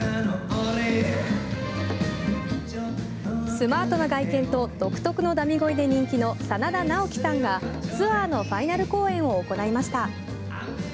スマートな外見と独特のダミ声で人気の真田ナオキさんがツアーのファイナル公演を行いました。